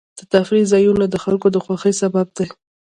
د تفریح ځایونه د خلکو د خوښۍ سبب دي.